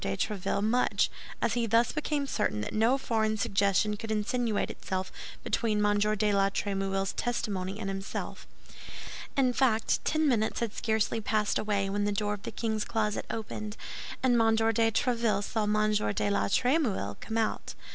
de Tréville much, as he thus became certain that no foreign suggestion could insinuate itself between M. de la Trémouille's testimony and himself. In fact, ten minutes had scarcely passed away when the door of the king's closet opened, and M. de Tréville saw M. de la Trémouille come out.